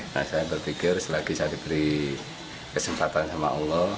nah saya berpikir selagi saya diberi kesempatan sama allah